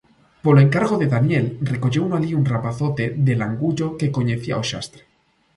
Por encargo de Daniel, recolleuno alí un rapazote de Langullo que coñecía o xastre.